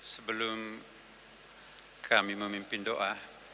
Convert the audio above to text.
sebelum kami memimpin doa